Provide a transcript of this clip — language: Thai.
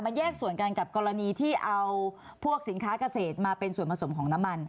แยกส่วนกันกับกรณีที่เอาพวกสินค้าเกษตรมาเป็นส่วนผสมของน้ำมัน